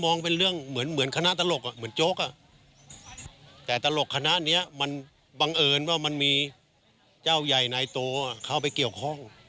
บอกเหมือนได้ดูคณะตลก